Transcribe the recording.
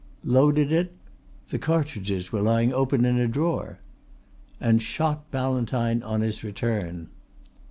"Loaded it, " "The cartridges were lying open in a drawer." "And shot Ballantyne on his return."